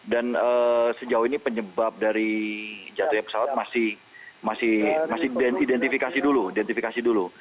dan sejauh ini penyebab dari jatuhnya pesawat masih identifikasi dulu